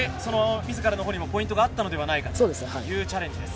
自らのほうにもポイントがあったのではないかというチャレンジです。